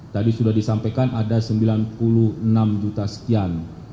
tadi sudah disampaikan ada sembilan puluh enam juta sekian